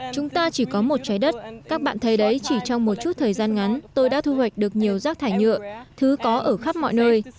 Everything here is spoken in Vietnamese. chúng ta chỉ có một trái đất các bạn thấy đấy chỉ trong một chút thời gian ngắn tôi đã thu hoạch được nhiều rác thải nhựa thứ có ở khắp mọi nơi